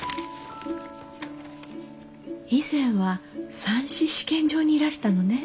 以前は蚕糸試験場にいらしたのね。